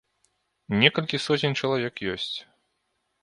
Некалькі соцень чалавек ёсць.